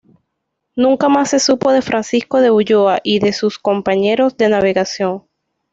Nunca más se supo de Francisco de Ulloa y de sus compañeros de navegación.